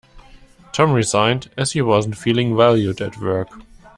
Tom resigned, as he wasn't feeling valued at work.